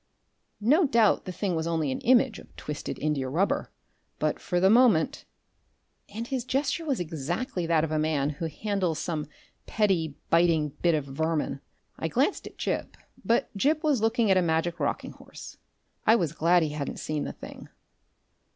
No doubt the thing was only an image of twisted indiarubber, but for the moment ! And his gesture was exactly that of a man who handles some petty biting bit of vermin. I glanced at Gip, but Gip was looking at a magic rocking horse. I was glad he hadn't seen the thing.